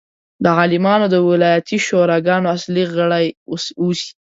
د عالمانو د ولایتي شوراګانو اصلي غړي اوسي.